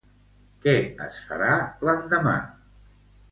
Què es farà l'endemà?